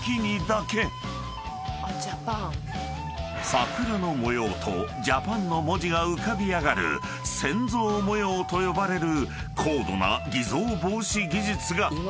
［桜の模様とＪＡＰＡＮの文字が浮かび上がる潜像模様と呼ばれる高度な偽造防止技術が］